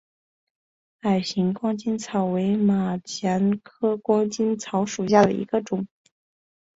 矮形光巾草为马钱科光巾草属下的一个种。